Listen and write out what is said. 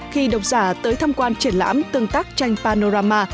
khi độc giả tới tham quan triển lãm tương tác tranh panorama